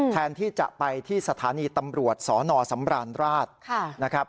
แทนที่จะไปที่สถานีตำรวจสนสำราญราชนะครับ